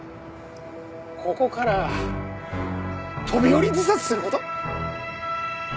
ここから飛び降り自殺する事。